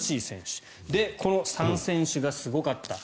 で、この３選手がすごかった。